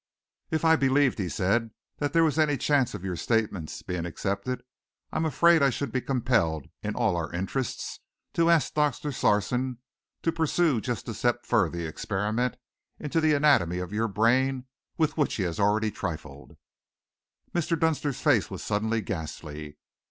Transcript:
"If I believed," he said, "that there was any chance of your statements being accepted, I am afraid I should be compelled, in all our interests, to ask Doctor Sarson to pursue just a step further that experiment into the anatomy of your brain with which he has already trifled." Mr. Dunster's face was suddenly ghastly.